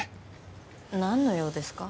何の用ですか？